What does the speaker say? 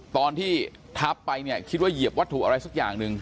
ตอนที่ทับไปเนี่ยคิดว่าเหยียบวัตถุอะไรสักอย่างหนึ่ง